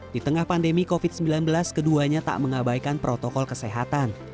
di tengah pandemi covid sembilan belas keduanya tak mengabaikan protokol kesehatan